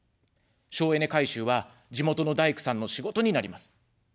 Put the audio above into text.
省エネ改修は地元の大工さんの仕事になります。